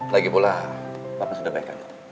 lagi pulang papa sudah baik baik